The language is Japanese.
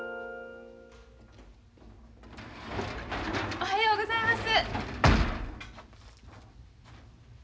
おはようございます。